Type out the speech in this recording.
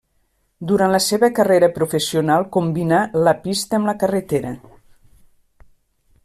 Durant la seva carrera professional combinà la pista amb la carretera.